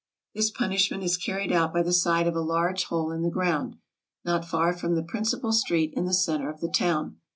This punishment is carried out by the side of a large hole in the ground, not far from the principal street in the center of the town.